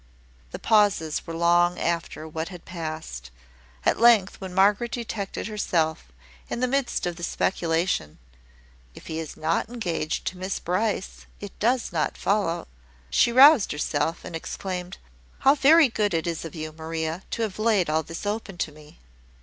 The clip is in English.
The pauses were long after what had passed. At length, when Margaret detected herself in the midst of the speculation, "if he is not engaged to Miss Bruce, it does not follow ," she roused herself, and exclaimed "How very good it is of you, Maria, to have laid all this open to me!"